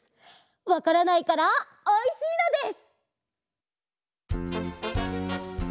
わからないからおいしいのです！